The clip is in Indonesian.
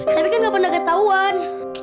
tapi kan nggak pendekat tahuan